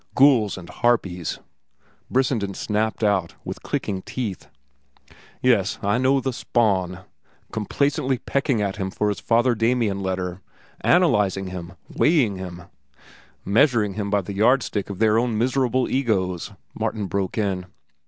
"Ghouls and harpies!" Brissenden snapped out with clicking teeth. "Yes, I know the spawn—complacently pecking at him for his Father Damien letter, analyzing him, weighing him—" "Measuring him by the yardstick of their own miserable egos," Martin broke in.